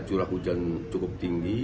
curah hujan cukup tinggi